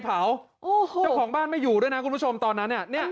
เผาโอ้โหเจ้าของบ้านไม่อยู่ด้วยนะคุณผู้ชมตอนนั้นเนี้ยเนี้ย